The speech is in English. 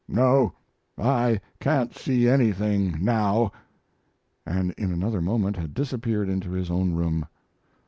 "No, I can't see anything now," and in another moment had disappeared into his own room.